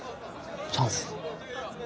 チャンス？